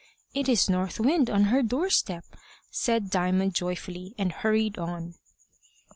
"It is North Wind on her doorstep," said Diamond joyfully, and hurried on.